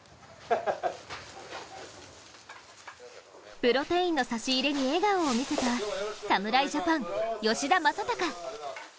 プロテインの差し入れに笑顔を見せた侍ジャパン・吉田正尚。